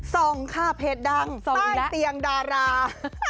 ทร่องค่าเพจดั่งต้านเตียงดารา